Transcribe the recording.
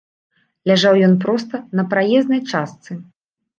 Ляжаў ён проста на праезнай частцы.